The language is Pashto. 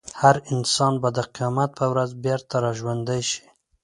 هر انسان به د قیامت په ورځ بېرته راژوندی شي.